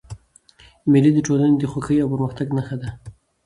مېلې د ټولني د خوښۍ او پرمختګ نخښه ده.